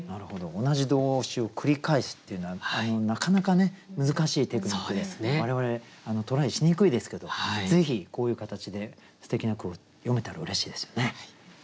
同じ動詞を繰り返すっていうのはなかなか難しいテクニックで我々トライしにくいですけどぜひこういう形ですてきな句を詠めたらうれしいですよね。